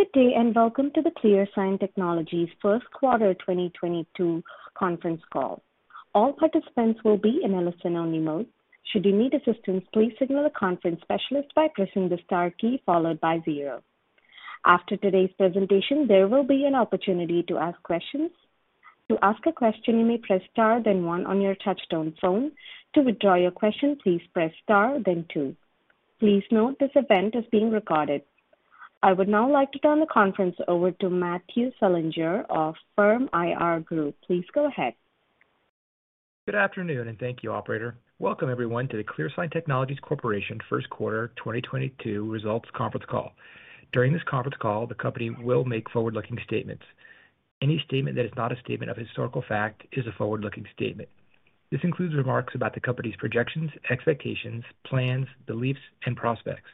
Good day, and welcome to the ClearSign Technologies first quarter 2022 conference call. All participants will be in a listen-only mode. Should you need assistance, please signal a conference specialist by pressing the star key followed by zero. After today's presentation, there will be an opportunity to ask questions. To ask a question, you may press star then one on your touch-tone phone. To withdraw your question, please press star then two. Please note this event is being recorded. I would now like to turn the conference over to Matthew Selinger of Firm IR Group. Please go ahead. Good afternoon and thank you, operator. Welcome everyone to the ClearSign Technologies Corporation first quarter 2022 results conference call. During this conference call, the company will make forward-looking statements. Any statement that is not a statement of historical fact is a forward-looking statement. This includes remarks about the company's projections, expectations, plans, beliefs, and prospects.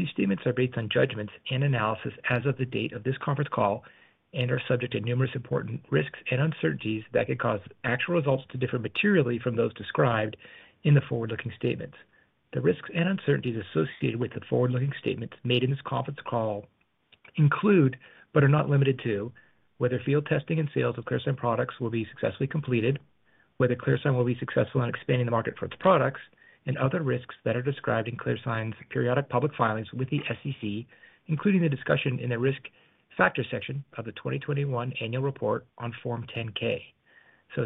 These statements are based on judgments and analysis as of the date of this conference call and are subject to numerous important risks and uncertainties that could cause actual results to differ materially from those described in the forward-looking statements. The risks and uncertainties associated with the forward-looking statements made in this conference call include, but are not limited to, whether field testing and sales of ClearSign products will be successfully completed, whether ClearSign will be successful in expanding the market for its products, and other risks that are described in ClearSign's periodic public filings with the SEC, including the discussion in the risk factors section of the 2021 annual report on Form 10-K.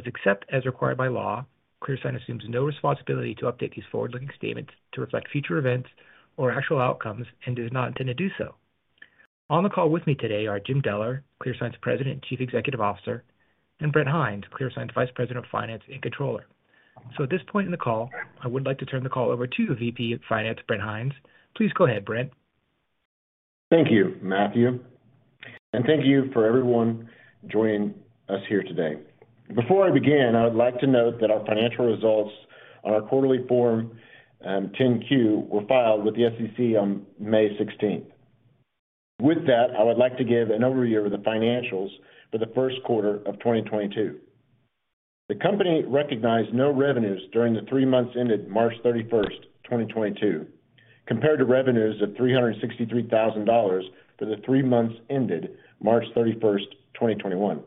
Except as required by law, ClearSign assumes no responsibility to update these forward-looking statements to reflect future events or actual outcomes and does not intend to do so. On the call with me today are Jim Deller, ClearSign's President and Chief Executive Officer, and Brent Hinds, ClearSign's Vice President of Finance and Controller. At this point in the call, I would like to turn the call over to VP of Finance, Brent Hinds. Please go ahead, Brent. Thank you, Matthew. Thank you for everyone joining us here today. Before I begin, I would like to note that our financial results on our quarterly Form 10-Q were filed with the SEC on May 16th. With that, I would like to give an overview of the financials for the first quarter of 2022. The company recognized no revenues during the three months ended March 31st, 2022, compared to revenues of $363,000 for the three months ended March 31st, 2021.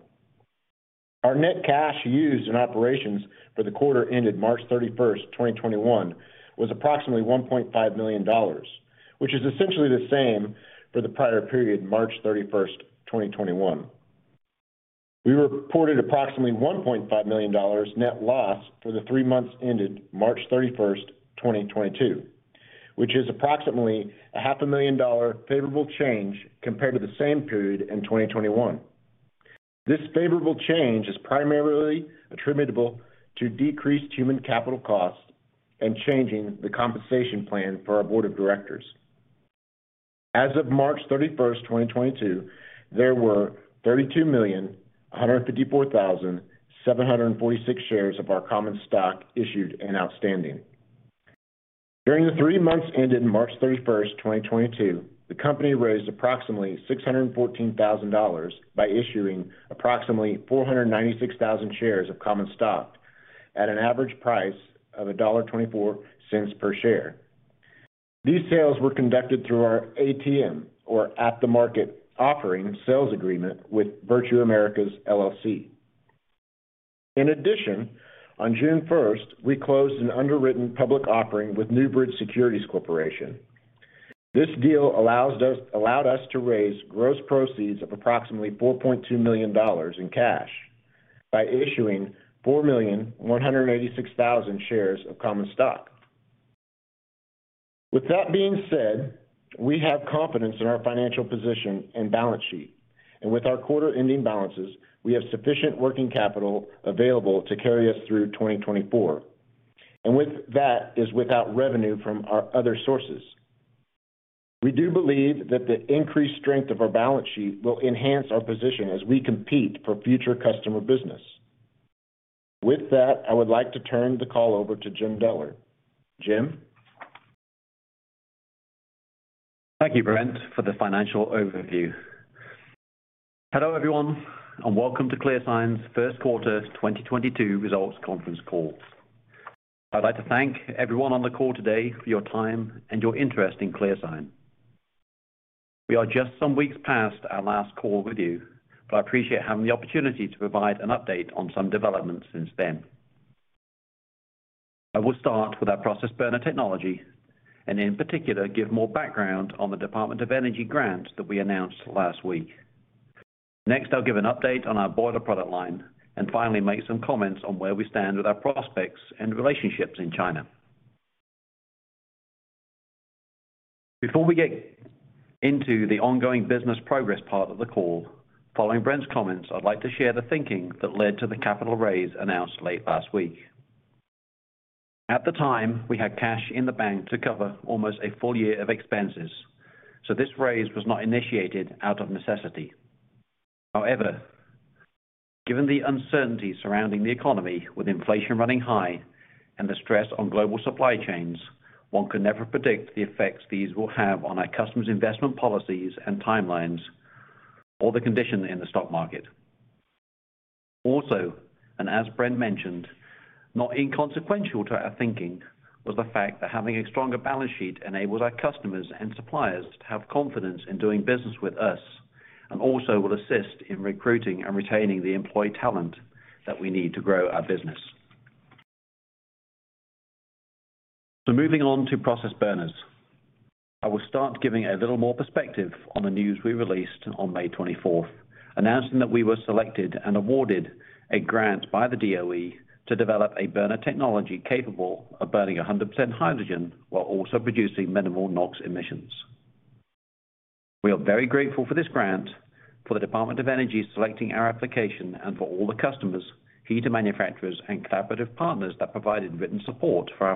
Our net cash used in operations for the quarter ended March 31st, 2022 was approximately $1.5 million, which is essentially the same for the prior period, March 31st, 2021. We reported approximately $1.5 million net loss for the three months ended March 31st, 2022, which is approximately $0.5 million favorable change compared to the same period in 2021. This favorable change is primarily attributable to decreased human capital costs and changing the compensation plan for our board of directors. As of March 31st, 2022, there were 32,154,746 shares of our common stock issued and outstanding. During the three months ended March 31st, 2022, the company raised approximately $614,000 by issuing approximately 496,000 shares of common stock at an average price of $1.24 per share. These sales were conducted through our ATM or at-the-market offering sales agreement with Virtu Americas LLC. In addition, on June 1st, we closed an underwritten public offering with Newbridge Securities Corporation. This deal allowed us to raise gross proceeds of approximately $4.2 million in cash by issuing 4,186,000 shares of common stock. With that being said, we have confidence in our financial position and balance sheet. With our quarter-ending balances, we have sufficient working capital available to carry us through 2024. With that, without revenue from our other sources. We do believe that the increased strength of our balance sheet will enhance our position as we compete for future customer business. With that, I would like to turn the call over to Jim Deller. Jim. Thank you, Brent, for the financial overview. Hello, everyone, and welcome to ClearSign's first quarter 2022 results conference call. I'd like to thank everyone on the call today for your time and your interest in ClearSign. We are just some weeks past our last call with you, but I appreciate having the opportunity to provide an update on some developments since then. I will start with our process burner technology and in particular give more background on the Department of Energy grant that we announced last week. Next, I'll give an update on our boiler product line and finally make some comments on where we stand with our prospects and relationships in China. Before we get into the ongoing business progress part of the call, following Brent's comments, I'd like to share the thinking that led to the capital raise announced late last week. At the time, we had cash in the bank to cover almost a full year of expenses, so this raise was not initiated out of necessity. However, given the uncertainty surrounding the economy with inflation running high and the stress on global supply chains, one could never predict the effects these will have on our customers' investment policies and timelines or the condition in the stock market. Also, and as Brent mentioned, not inconsequential to our thinking was the fact that having a stronger balance sheet enables our customers and suppliers to have confidence in doing business with us, and also will assist in recruiting and retaining the employee talent that we need to grow our business. Moving on to process burners. I will start giving a little more perspective on the news we released on May 24th, announcing that we were selected and awarded a grant by the DOE to develop a burner technology capable of burning 100% hydrogen while also producing minimal NOx emissions. We are very grateful for this grant, for the Department of Energy selecting our application, and for all the customers, heater manufacturers, and collaborative partners that provided written support for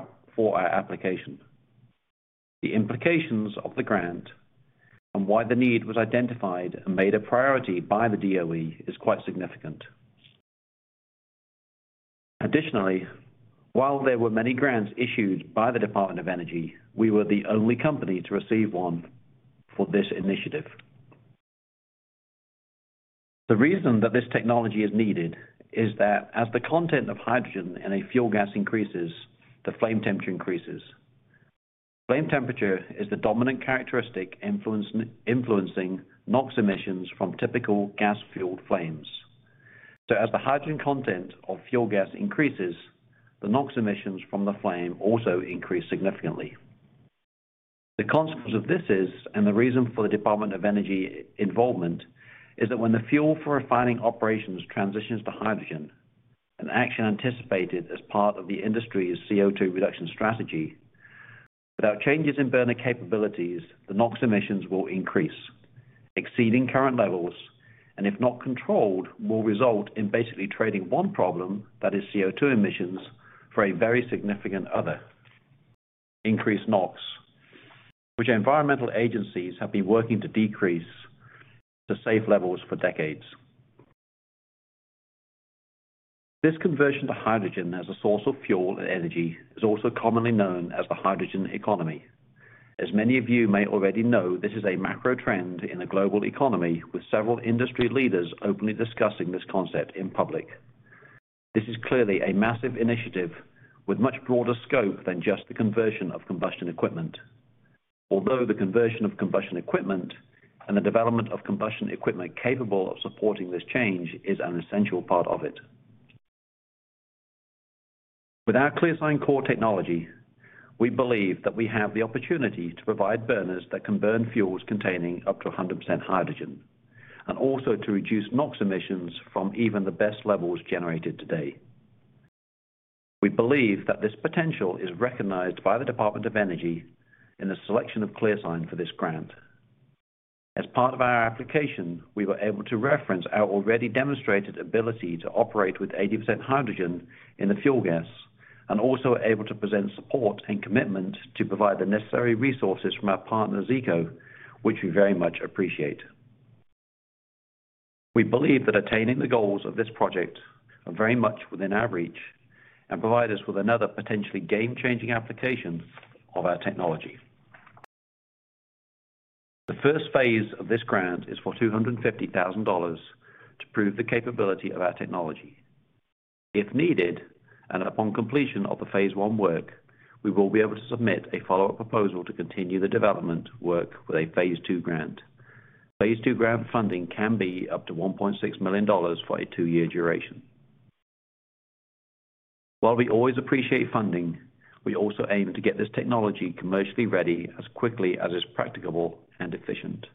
our application. The implications of the grant and why the need was identified and made a priority by the DOE is quite significant. Additionally, while there were many grants issued by the Department of Energy, we were the only company to receive one for this initiative. The reason that this technology is needed is that as the content of hydrogen in a fuel gas increases, the flame temperature increases. Flame temperature is the dominant characteristic influencing NOx emissions from typical gas-fueled flames. As the hydrogen content of fuel gas increases, the NOx emissions from the flame also increase significantly. The consequence of this is, and the reason for the Department of Energy involvement, is that when the fuel for refining operations transitions to hydrogen, an action anticipated as part of the industry's CO2 reduction strategy. Without changes in burner capabilities, the NOx emissions will increase, exceeding current levels, and if not controlled, will result in basically trading one problem, that is CO2 emissions, for a very significant other, increased NOx, which environmental agencies have been working to decrease to safe levels for decades. This conversion to hydrogen as a source of fuel and energy is also commonly known as the hydrogen economy. As many of you may already know, this is a macro trend in the global economy, with several industry leaders openly discussing this concept in public. This is clearly a massive initiative with much broader scope than just the conversion of combustion equipment. Although the conversion of combustion equipment and the development of combustion equipment capable of supporting this change is an essential part of it. With our ClearSign Core technology, we believe that we have the opportunity to provide burners that can burn fuels containing up to 100% hydrogen, and also to reduce NOx emissions from even the best levels generated today. We believe that this potential is recognized by the Department of Energy in the selection of ClearSign for this grant. As part of our application, we were able to reference our already demonstrated ability to operate with 80% hydrogen in the fuel gas, and also were able to present support and commitment to provide the necessary resources from our partner, Zeeco, which we very much appreciate. We believe that attaining the goals of this project are very much within our reach and provide us with another potentially game-changing application of our technology. The first phase of this grant is for $250,000 to prove the capability of our technology. If needed, and upon completion of the phase one work, we will be able to submit a follow-up proposal to continue the development work with a phase two grant. Phase two grant funding can be up to $1.6 million for a two-year duration. While we always appreciate funding, we also aim to get this technology commercially ready as quickly as is practicable and efficient,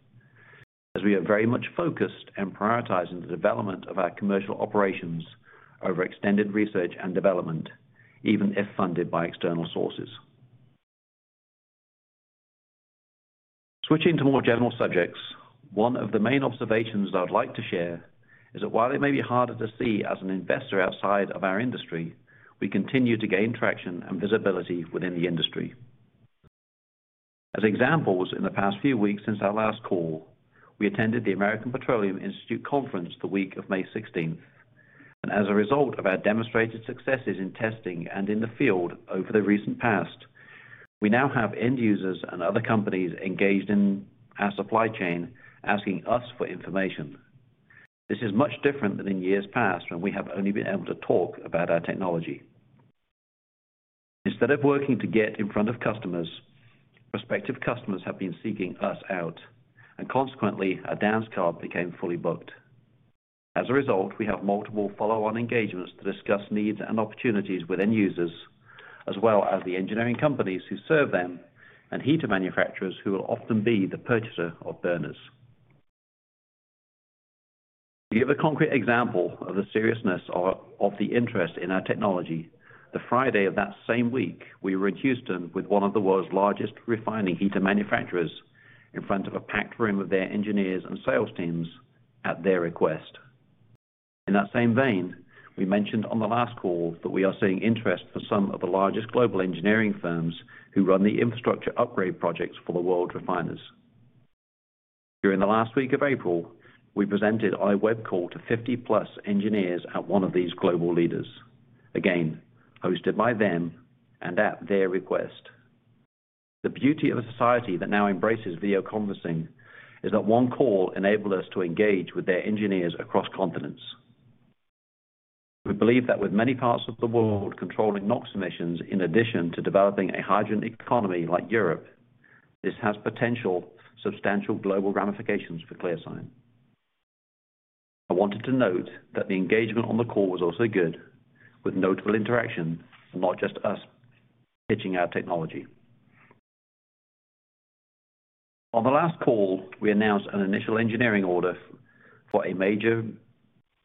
as we are very much focused and prioritizing the development of our commercial operations over extended research and development, even if funded by external sources. Switching to more general subjects, one of the main observations that I'd like to share is that while it may be harder to see as an investor outside of our industry, we continue to gain traction and visibility within the industry. As examples, in the past few weeks since our last call, we attended the American Petroleum Institute conference the week of May 16th. As a result of our demonstrated successes in testing and in the field over the recent past, we now have end users and other companies engaged in our supply chain asking us for information. This is much different than in years past, when we have only been able to talk about our technology. Instead of working to get in front of customers, prospective customers have been seeking us out, and consequently, our dance card became fully booked. As a result, we have multiple follow-on engagements to discuss needs and opportunities with end users, as well as the engineering companies who serve them and heater manufacturers who will often be the purchaser of burners. To give a concrete example of the seriousness of the interest in our technology, the Friday of that same week, we were in Houston with one of the world's largest refining heater manufacturers in front of a packed room of their engineers and sales teams at their request. In that same vein, we mentioned on the last call that we are seeing interest for some of the largest global engineering firms who run the infrastructure upgrade projects for the world's refiners. During the last week of April, we presented our web call to 50+ engineers at one of these global leaders, again, hosted by them and at their request. The beauty of a society that now embraces video conferencing is that one call enabled us to engage with their engineers across continents. We believe that with many parts of the world controlling NOx emissions in addition to developing a hydrogen economy like Europe, this has potential substantial global ramifications for ClearSign. I wanted to note that the engagement on the call was also good, with notable interaction and not just us pitching our technology. On the last call, we announced an initial engineering order for a major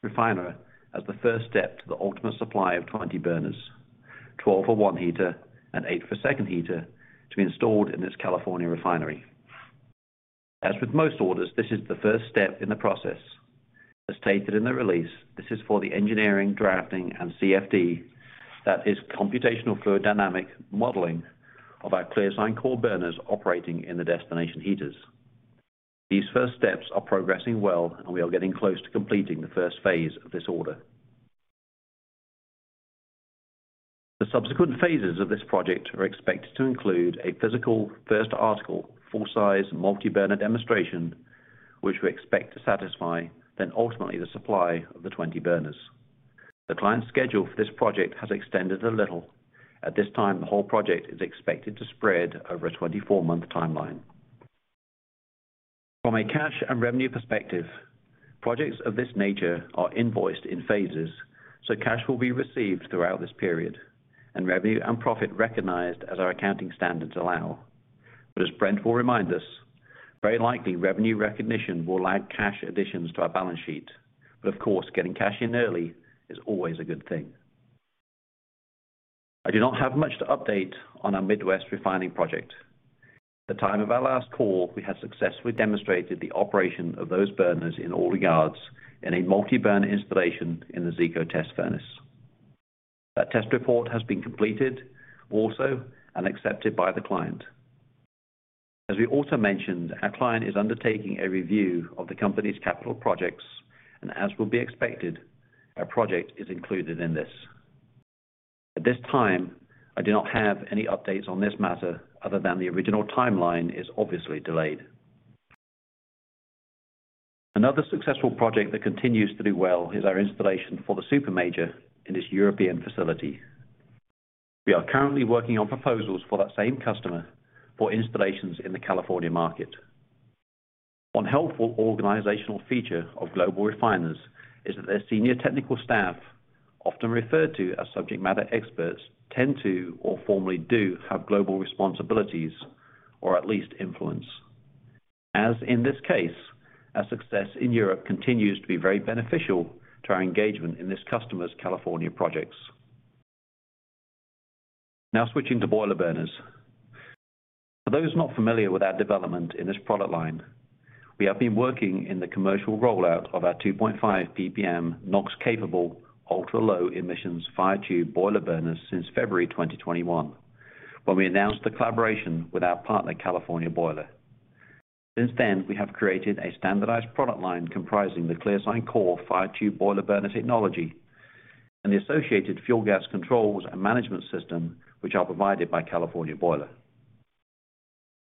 refiner as the first step to the ultimate supply of 20 burners, 12 for one heater and eight for second heater to be installed in its California refinery. As with most orders, this is the first step in the process. As stated in the release, this is for the engineering, drafting and CFD that is computational fluid dynamics modeling of our ClearSign Core burners operating in the destination heaters. These first steps are progressing well and we are getting close to completing the first phase of this order. The subsequent phases of this project are expected to include a physical first article full-size multi-burner demonstration, which we expect to satisfy then ultimately the supply of the 20 burners. The client's schedule for this project has extended a little. At this time, the whole project is expected to spread over a 24-month timeline. From a cash and revenue perspective, projects of this nature are invoiced in phases, so cash will be received throughout this period and revenue and profit recognized as our accounting standards allow. As Brent will remind us, very likely revenue recognition will lag cash additions to our balance sheet. Of course, getting cash in early is always a good thing. I do not have much to update on our Midwest refining project. At the time of our last call, we had successfully demonstrated the operation of those burners in all regards in a multi-burner installation in the Zeeco test furnace. That test report has been completed also and accepted by the client. As we also mentioned, our client is undertaking a review of the company's capital projects and as will be expected, our project is included in this. At this time, I do not have any updates on this matter other than the original timeline is obviously delayed. Another successful project that continues to do well is our installation for the super major in this European facility. We are currently working on proposals for that same customer for installations in the California market. One helpful organizational feature of global refiners is that their senior technical staff, often referred to as subject matter experts, tend to or formally do have global responsibilities or at least influence. As in this case, our success in Europe continues to be very beneficial to our engagement in this customer's California projects. Now switching to boiler burners. For those not familiar with our development in this product line, we have been working in the commercial rollout of our 2.5 PPM NOx-capable, ultra-low emissions fire tube boiler burners since February 2021, when we announced the collaboration with our partner, California Boiler. Since then, we have created a standardized product line comprising the ClearSign Core fire tube boiler burner technology and the associated fuel gas controls and management system, which are provided by California Boiler.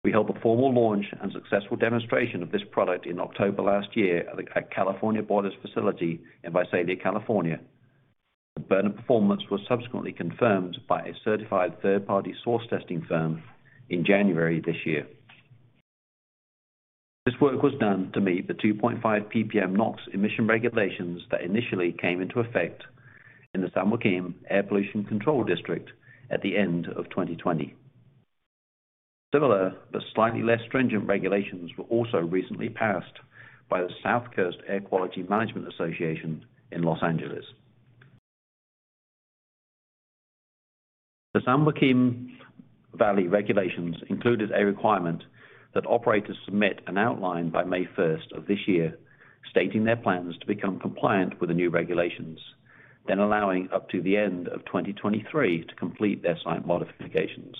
We held a formal launch and successful demonstration of this product in October last year at California Boiler's facility in Visalia, California. The burner performance was subsequently confirmed by a certified third-party source testing firm in January this year. This work was done to meet the 2.5 PPM NOx emission regulations that initially came into effect in the San Joaquin Valley Air Pollution Control District at the end of 2020. Similar but slightly less stringent regulations were also recently passed by the South Coast Air Quality Management District in LA. The San Joaquin Valley regulations included a requirement that operators submit an outline by May 1st of this year stating their plans to become compliant with the new regulations, then allowing up to the end of 2023 to complete their site modifications.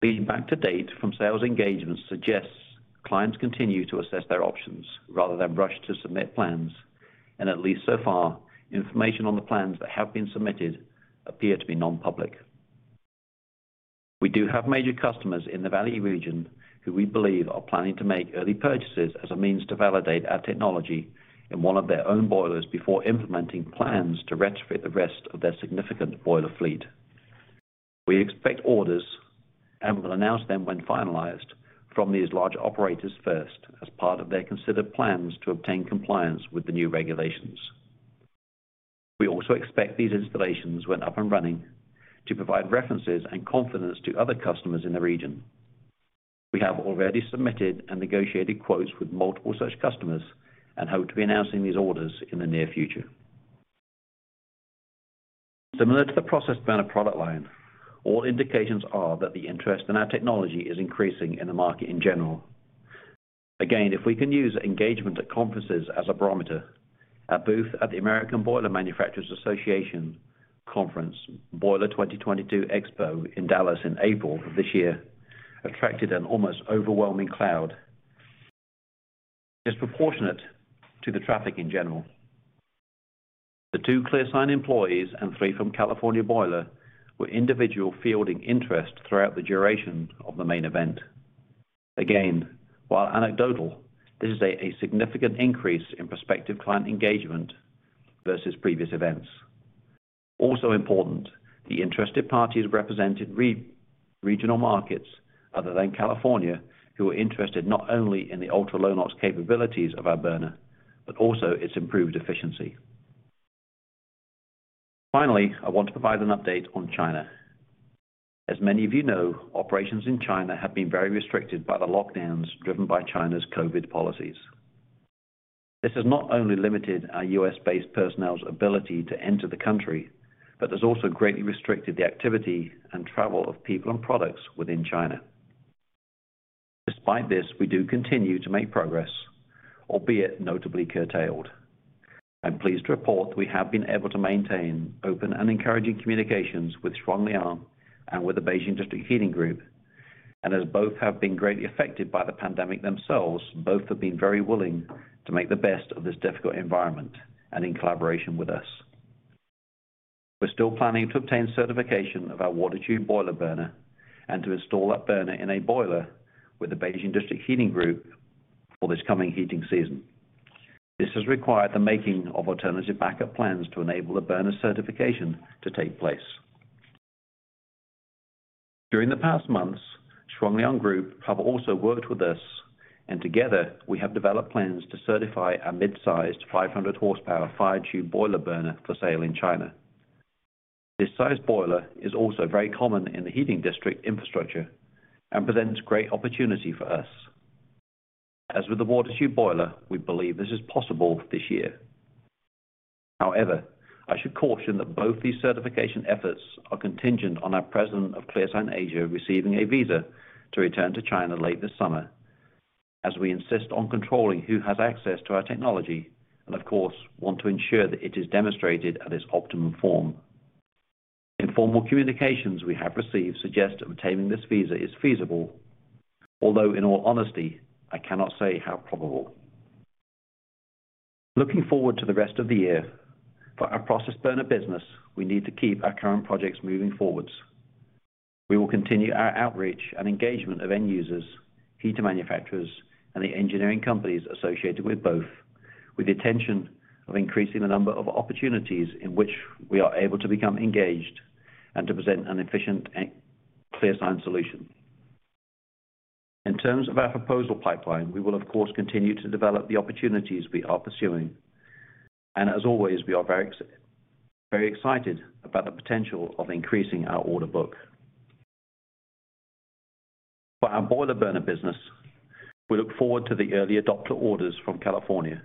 Feedback to date from sales engagements suggests clients continue to assess their options rather than rush to submit plans. At least so far, information on the plans that have been submitted appear to be non-public. We do have major customers in the Valley region who we believe are planning to make early purchases as a means to validate our technology in one of their own boilers before implementing plans to retrofit the rest of their significant boiler fleet. We expect orders and will announce them when finalized from these large operators first as part of their considered plans to obtain compliance with the new regulations. We also expect these installations when up and running to provide references and confidence to other customers in the region. We have already submitted and negotiated quotes with multiple such customers and hope to be announcing these orders in the near future. Similar to the process burner product line, all indications are that the interest in our technology is increasing in the market in general. Again, if we can use engagement at conferences as a barometer, our booth at the American Boiler Manufacturers Association conference, Boiler 2022 Expo in Dallas in April of this year attracted an almost overwhelming crowd disproportionate to the traffic in general. The two ClearSign employees and three from California Boiler were individually fielding interest throughout the duration of the main event. Again, while anecdotal, this is a significant increase in prospective client engagement versus previous events. Also important, the interested parties represented regional markets other than California, who are interested not only in the ultra-low NOx capabilities of our burner, but also its improved efficiency. Finally, I want to provide an update on China. As many of you know, operations in China have been very restricted by the lockdowns driven by China's COVID policies. This has not only limited our U.S.-based personnel's ability to enter the country, but has also greatly restricted the activity and travel of people and products within China. Despite this, we do continue to make progress, albeit notably curtailed. I'm pleased to report we have been able to maintain open and encouraging communications with Shuangliang and with the Beijing District Heating Group. As both have been greatly affected by the pandemic themselves, both have been very willing to make the best of this difficult environment and in collaboration with us. We're still planning to obtain certification of our water tube boiler burner and to install that burner in a boiler with the Beijing District Heating Group for this coming heating season. This has required the making of alternative backup plans to enable the burner certification to take place. During the past months, Shuangliang Group have also worked with us, and together we have developed plans to certify a mid-sized 500 horsepower fire tube boiler burner for sale in China. This size boiler is also very common in the heating district infrastructure and presents great opportunity for us. As with the water tube boiler, we believe this is possible this year. However, I should caution that both these certification efforts are contingent on our president of ClearSign Asia receiving a visa to return to China late this summer, as we insist on controlling who has access to our technology and of course, want to ensure that it is demonstrated at its optimum form. Informal communications we have received suggest that obtaining this visa is feasible, although in all honesty, I cannot say how probable. Looking forward to the rest of the year, for our process burner business, we need to keep our current projects moving forward. We will continue our outreach and engagement of end users, heater manufacturers, and the engineering companies associated with both with the intention of increasing the number of opportunities in which we are able to become engaged and to present an efficient and ClearSign solution. In terms of our proposal pipeline, we will of course, continue to develop the opportunities we are pursuing. As always, we are very excited about the potential of increasing our order book. For our boiler burner business, we look forward to the early adopter orders from California,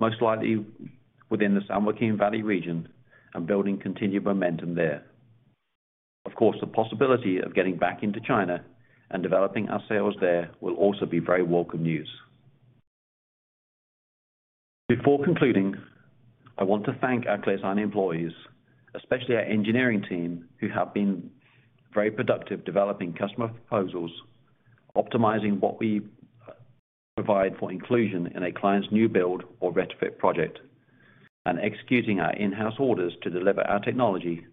most likely within the San Joaquin Valley region and building continued momentum there. Of course, the possibility of getting back into China and developing our sales there will also be very welcome news. Before concluding, I want to thank our ClearSign employees, especially our engineering team, who have been very productive, developing customer proposals, optimizing what we provide for inclusion in a client's new build or retrofit project, and executing our in-house orders to deliver our technology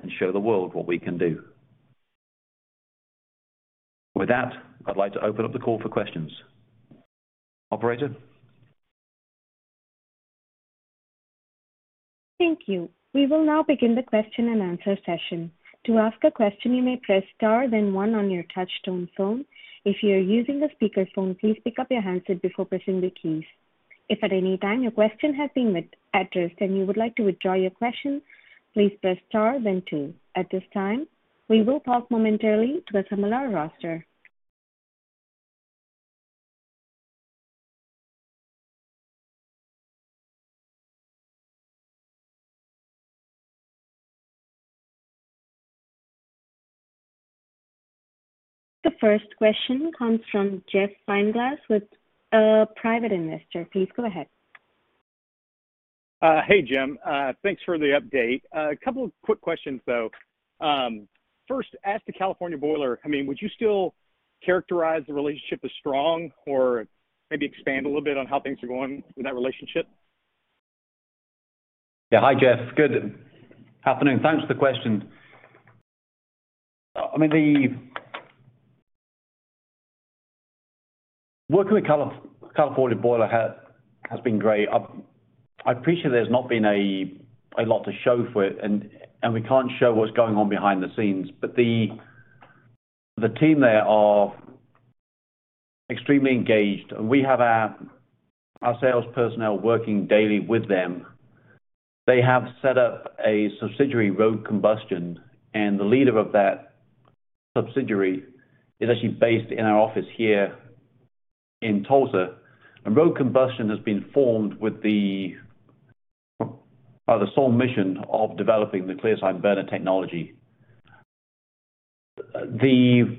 and show the world what we can do. With that, I'd like to open up the call for questions. Operator. Thank you. We will now begin the question-and-answer session. To ask a question, you may press star then one on your touch-tone phone. If you are using a speakerphone, please pick up your handset before pressing the keys. If at any time your question has been addressed and you would like to withdraw your question, please press star then two. At this time, we will pause momentarily to assemble our roster. The first question comes from Jeff Feinglas with Private Investor. Please go ahead. Hey, Jim. Thanks for the update. A couple of quick questions, though. First, as to California Boiler, I mean, would you still characterize the relationship as strong? Or maybe expand a little bit on how things are going with that relationship. Yeah. Hi, Jeff. Good afternoon. Thanks for the question. I mean, Working with California Boiler has been great. I appreciate there's not been a lot to show for it, and we can't show what's going on behind the scenes. The team there are extremely engaged, and we have our sales personnel working daily with them. They have set up a subsidiary, Rogue Combustion, and the leader of that subsidiary is actually based in our office here in Tulsa. Rogue Combustion has been formed by the sole mission of developing the ClearSign burner technology. The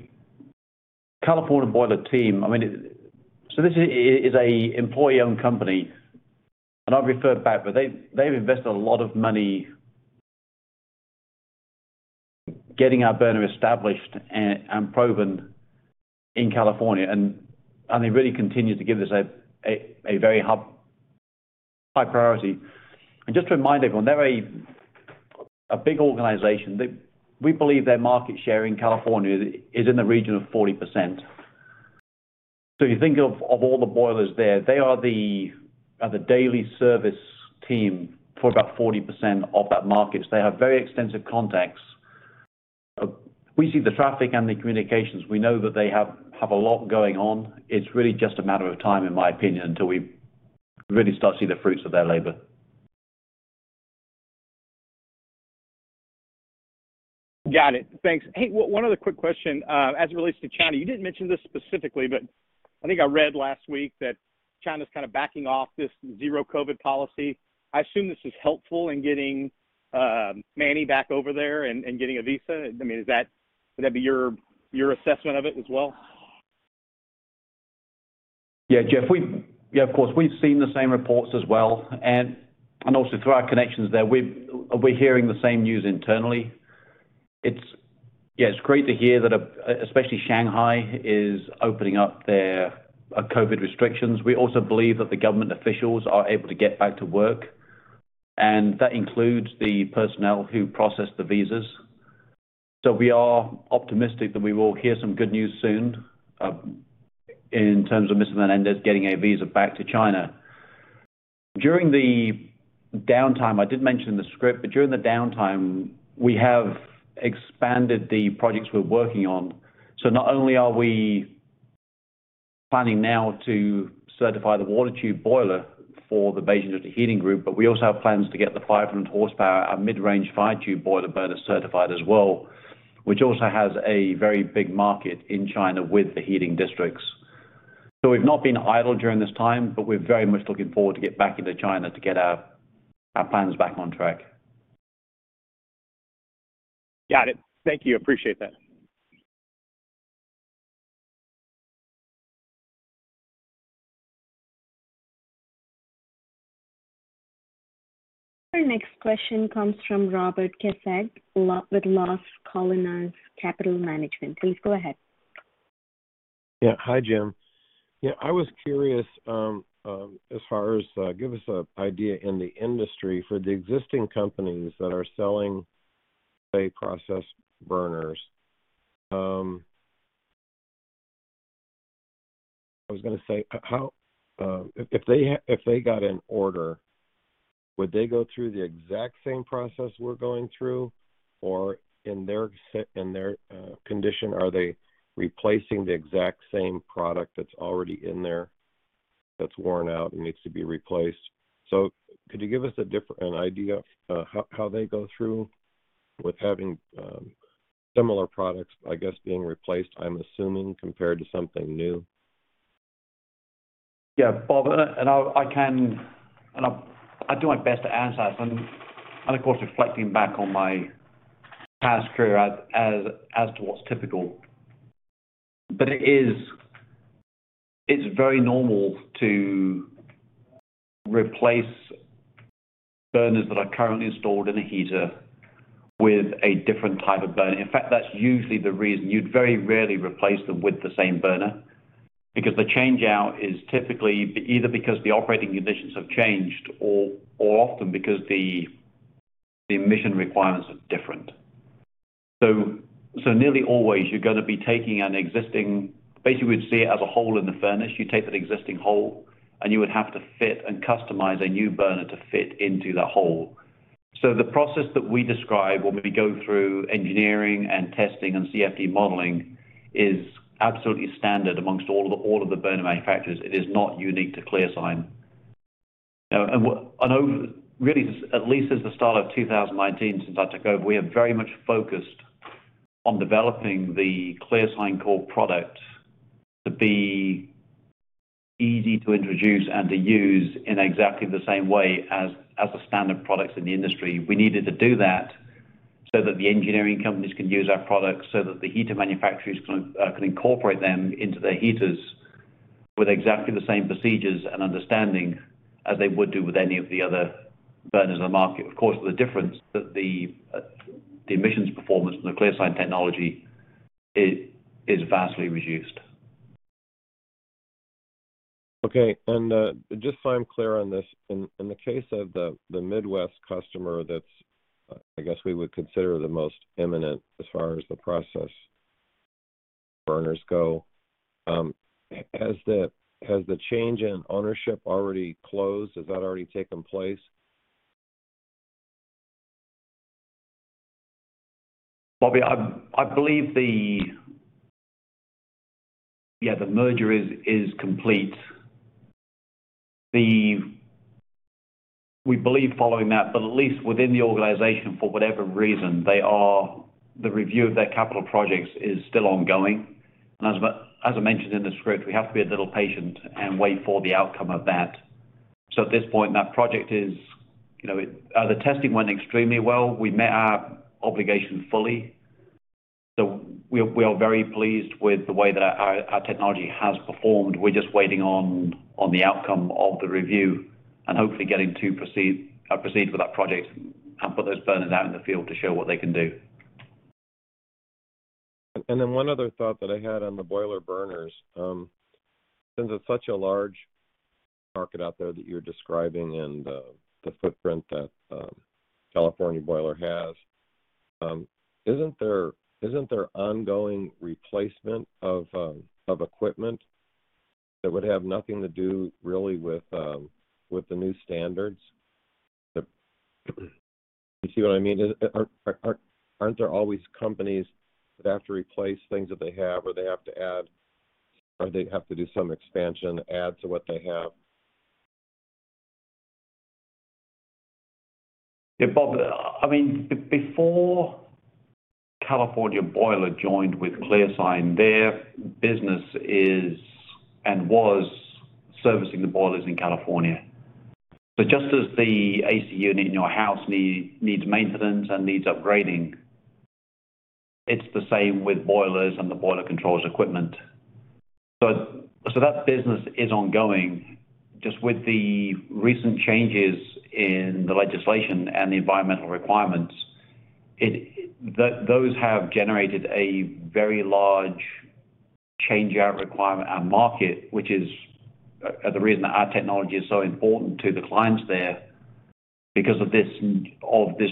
California Boiler team, I mean, this is an employee-owned company, and I've referred back, but they've invested a lot of money getting our burner established and proven in California. They really continue to give us a very high priority. Just to remind everyone, they're a big organization. We believe their market share in California is in the region of 40%. You think of all the boilers there, they are the daily service team for about 40% of that market. They have very extensive contacts. We see the traffic and the communications. We know that they have a lot going on. It's really just a matter of time, in my opinion, until we really start to see the fruits of their labor. Got it. Thanks. Hey, one other quick question as it relates to China. You didn't mention this specifically, but I think I read last week that China's kinda backing off this zero COVID policy. I assume this is helpful in getting Manny back over there and getting a visa. I mean, would that be your assessment of it as well? Yeah, Jeff, of course, we've seen the same reports as well. Also through our connections there, we're hearing the same news internally. Yeah, it's great to hear that, especially Shanghai is opening up their COVID restrictions. We also believe that the government officials are able to get back to work, and that includes the personnel who process the visas. We are optimistic that we will hear some good news soon in terms of Mr. Menendez getting a visa back to China. During the downtime, I did mention in the script, but during the downtime, we have expanded the projects we're working on. not only are we planning now to certify the water tube boiler for the Beijing District Heating Group, but we also have plans to get the 500 horsepower, our mid-range fire tube boiler burner certified as well, which also has a very big market in China with the heating districts. We've not been idle during this time, but we're very much looking forward to get back into China to get our plans back on track. Got it. Thank you. Appreciate that. Our next question comes from Robert Kecseg with Las Colinas Capital Management. Please go ahead. Yeah. Hi, Jim. Yeah, I was curious, as far as, give us an idea in the industry for the existing companies that are selling, say, process burners. I was gonna say, how, if they got an order, would they go through the exact same process we're going through? Or in their condition, are they replacing the exact same product that's already in there that's worn out and needs to be replaced? Could you give us an idea how they go through with having similar products, I guess, being replaced, I'm assuming, compared to something new? Yeah. Bob, I can and I'll do my best to answer that. Of course, reflecting back on my past career as to what's typical. It is, it's very normal to replace burners that are currently installed in a heater with a different type of burner. In fact, that's usually the reason. You'd very rarely replace them with the same burner because the change-out is typically either because the operating conditions have changed or often because the emission requirements are different. Nearly always, you're gonna be taking an existing hole in the furnace. You take that existing hole, and you would have to fit and customize a new burner to fit into the hole. The process that we describe when we go through engineering and testing and CFD modeling is absolutely standard among all of the burner manufacturers. It is not unique to ClearSign. You know, I know really, at least since the start of 2019, since I took over, we have very much focused on developing the ClearSign Core product to be easy to introduce and to use in exactly the same way as the standard products in the industry. We needed to do that so that the engineering companies can use our products, so that the heater manufacturers can incorporate them into their heaters with exactly the same procedures and understanding as they would do with any of the other burners on the market. Of course, the difference that the emissions performance in the ClearSign technology is vastly reduced. Okay. Just so I'm clear on this. In the case of the Midwest customer that's, I guess, we would consider the most imminent as far as the process burners go, has the change in ownership already closed? Has that already taken place? Bobby, I believe the merger is complete. We believe following that, but at least within the organization, for whatever reason, the review of their capital projects is still ongoing. As I mentioned in the script, we have to be a little patient and wait for the outcome of that. At this point, that project is, you know, the testing went extremely well. We met our obligation fully. We are very pleased with the way that our technology has performed. We're just waiting on the outcome of the review and hopefully getting to proceed with that project and put those burners out in the field to show what they can do. One other thought that I had on the boiler burners. Since it's such a large market out there that you're describing and the footprint that California Boiler has, isn't there ongoing replacement of equipment that would have nothing to do really with the new standards? Do you see what I mean? Aren't there always companies that have to replace things that they have or they have to add or they have to do some expansion, add to what they have? Yeah, Bob, I mean, before California Boiler joined with ClearSign, their business is and was servicing the boilers in California. Just as the AC unit in your house needs maintenance and needs upgrading, it's the same with boilers and the boiler controls equipment. That business is ongoing. Just with the recent changes in the legislation and the environmental requirements, those have generated a very large change-out requirement and market, which is the reason that our technology is so important to the clients there because of this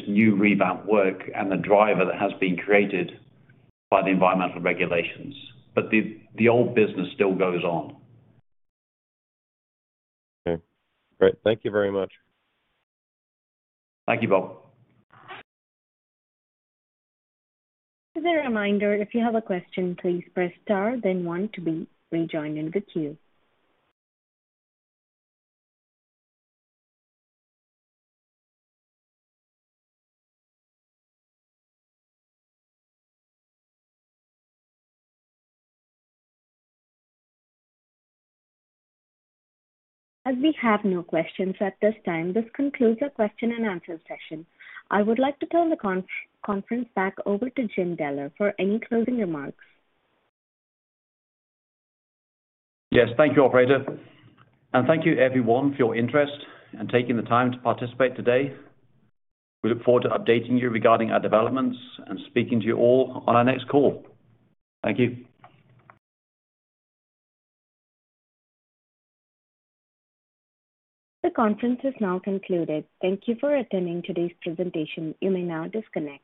new revamp work and the driver that has been created by the environmental regulations. The old business still goes on. Okay, great. Thank you very much. Thank you, Bob. As a reminder, if you have a question, please press star then one to be rejoined in the queue. As we have no questions at this time, this concludes our question and answer session. I would like to turn the conference back over to Jim Deller for any closing remarks. Yes, thank you, operator. Thank you everyone for your interest and taking the time to participate today. We look forward to updating you regarding our developments and speaking to you all on our next call. Thank you. The conference is now concluded. Thank you for attending today's presentation. You may now disconnect.